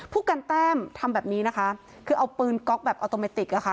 ผู้กันแต้มทำแบบนี้นะคะคือเอาปืนก๊อกแบบออโตเมติกอะค่ะ